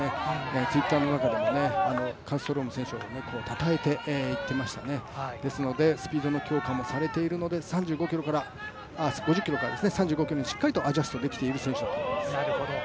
Ｔｗｉｔｔｅｒの中ではカルストローム選手をたたえて言っていましたねですのでスピードの強化もされているので、５０ｋｍから３５ｋｍにしっかりとアジャストできている選手だと思います。